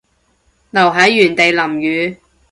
留喺原地淋雨